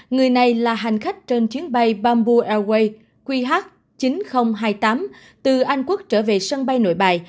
người này là hành khách trên chuyến bay bamboo airways qh chín nghìn hai mươi tám từ anh quốc trở về sân bay nội bài